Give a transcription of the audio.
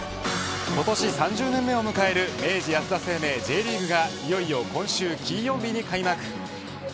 今年３０年目を迎える明治安田生命Ｊリーグがいよいよ今週金曜日に開幕。